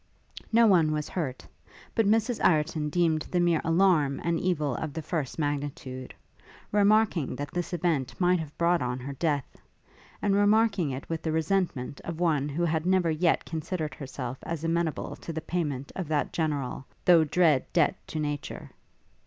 No one was hurt; but Mrs Ireton deemed the mere alarm an evil of the first magnitude; remarking that this event might have brought on her death; and remarking it with the resentment of one who had never yet considered herself as amenable to the payment of that general, though dread debt to nature.